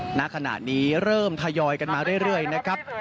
ณขณะนี้เริ่มทยอยกันมาเรื่อยนะครับ